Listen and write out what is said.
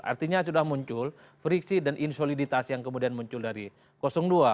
artinya sudah muncul friksi dan insoliditas yang kemudian muncul dari dua